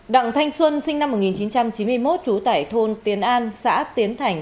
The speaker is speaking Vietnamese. đặng thanh xuân sinh năm một nghìn chín trăm chín mươi một trú tải thôn tiến an xã tiến thành